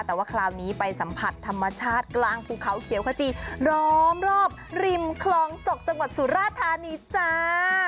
แต่ว่าคราวนี้ไปสัมผัสธรรมชาติกลางภูเขาเขียวขจีร้อมรอบริมคลองศกจังหวัดสุราธานีจ้า